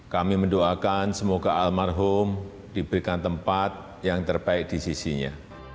kami mendoakan semoga almarhum diberikan tempat yang terbaik di sisinya